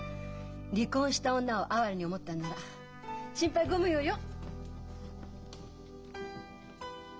離婚した女を哀れに思ったんなら心配ご無用よ。